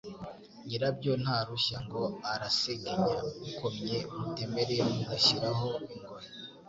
Nyirabyo ntarushya ngo arasegenya !Ukomye umutemeri ugashyiraho ingohe,